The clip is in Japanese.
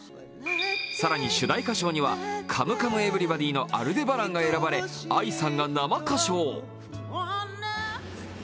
更に主題歌賞には「カムカムエヴリバディ」の「アルデバラン」が選ばれＡＩさんが生歌唱。